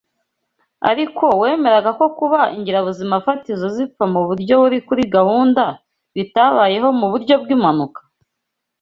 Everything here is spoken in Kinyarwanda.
Ariko wemeraga ko kuba ingirabuzimafatizo zipfa mu buryo buri kuri gahunda bitabayeho mu buryo bw’impanuka?